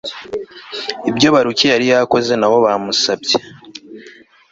ibyo baruki yari yakoze na bo bamusabye